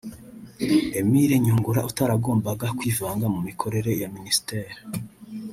Émile Nyungura utaragombaga kwivanga mu mikorere ya Ministère